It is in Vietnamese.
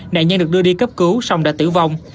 nạn nhân được đưa đi cấp cứu xong đã tử vong